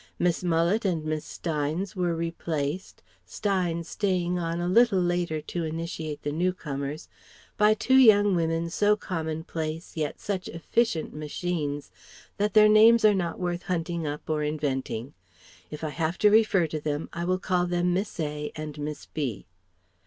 Miss Mullet and Miss Steynes were replaced (Steynes staying on a little later to initiate the new comers) by two young women so commonplace yet such efficient machines that their names are not worth hunting up or inventing. If I have to refer to them I will call them Miss A. and Miss B.